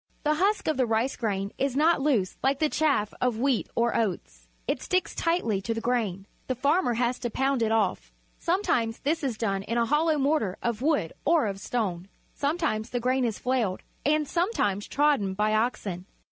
The husk of the rice grain is not loose like the chaff of wheat or oats. It sticks tightly to the grain. The farmer has to pound it off. Sometimes this is done in a hollow mortar of wood or of stone. Some times the grain is flailed, and sometimes trodden by oxen.